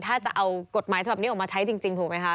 ถ้าจำเป็นตอบที่จะเอากฎหมายออกมาใช้จริงถูกมั้ยคะ